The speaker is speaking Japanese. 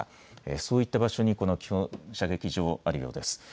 そういった場所にこの基本射撃場あるようです。